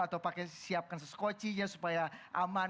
atau pakai siapkan seskocinya supaya awal awal